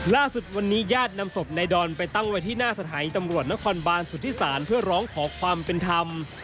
ล่าสุดวันนี้ญาตินำศพนายดอนไปตั้งไว้ที่หน้าสถานีตำรวจนครบานสุธิศาลเพื่อร้องขอความเป็นธรรม